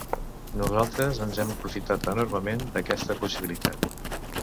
Nosaltres ens hem aprofitat enormement d'aquesta possibilitat.